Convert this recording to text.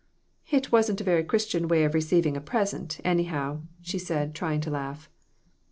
"It wasn't a very Christian way of receiving a present, anyhow," she said, trying to laugh.